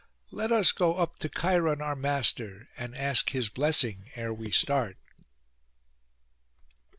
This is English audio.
Let us go up to Cheiron our master, and ask his blessing ere we start.